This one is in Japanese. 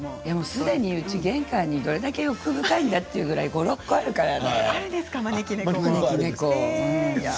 すでにうち、玄関にどれくらい欲深いんだというぐらい５、６個あるから。